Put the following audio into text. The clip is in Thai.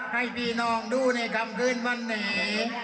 ให้พี่น้องดูในค่ำคืนวันนี้